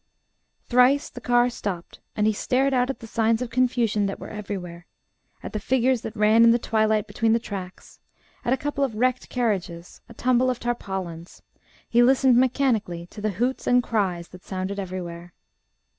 Thrice the car stopped, and he stared out at the signs of confusion that were everywhere; at the figures that ran in the twilight between the tracks, at a couple of wrecked carriages, a tumble of tarpaulins; he listened mechanically to the hoots and cries that sounded everywhere.